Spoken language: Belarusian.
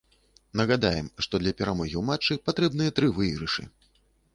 Нагадаем, што для перамогі ў матчы патрэбныя тры выйгрышы.